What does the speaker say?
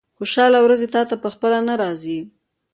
خوشاله ورځې تاته په خپله نه راځي.